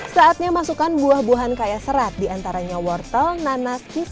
saatnya masukkan buah buahan kaya serat diantaranya wortel nanas kipis